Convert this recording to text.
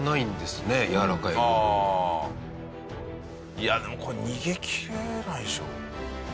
いやでもこれ逃げきれないでしょ。